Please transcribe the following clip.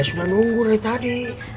sudah nunggu dari tadi